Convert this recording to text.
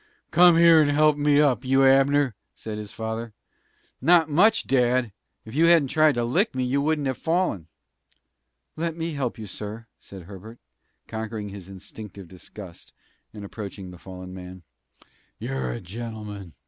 "Come here and help me up, you Abner!" said his father. "Not much, dad! If you hadn't tried to lick me you wouldn't have fallen!" "Let me help you, sir!" said Herbert, conquering his instinctive disgust and approaching the fallen man. "You're a gentleman!"